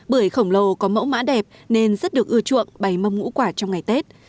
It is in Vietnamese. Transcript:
bưởi khổng lồ có mẫu mã đẹp nên rất được ưa chuộng bày mâm ngũ quả trong ngày tết